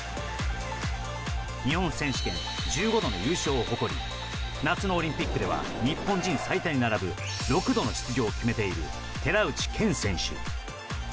日本選手権１５度の優勝を誇り夏のオリンピックでは日本人最多に並ぶ６度の出場を決めている寺内健選手。